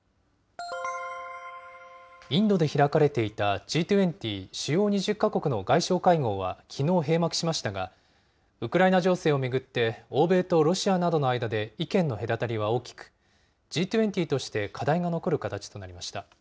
インドで開かれていたＧ２０・主要２０か国の外相会合はきのう、閉幕しましたが、ウクライナ情勢を巡って欧米とロシアなどの間で意見の隔たりは大きく、Ｇ２０として課題が残る形となりました。